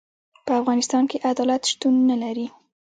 په افغانستان کي عدالت شتون نلري.